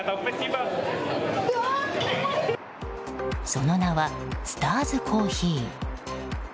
その名はスターズコーヒー。